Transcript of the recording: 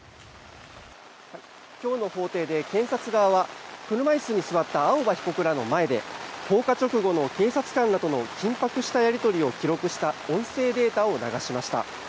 今日の法廷で検察側は車椅子に座った青葉被告らの前で放火直後の警察官らとの緊迫したやり取りを記録した音声データを流しました。